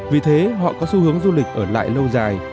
vì thế họ có xu hướng du lịch ở lại lâu dài